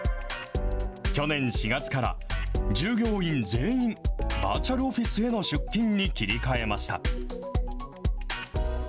去年４月から、従業員全員、バーチャルオフィスへの出勤に切り替えました。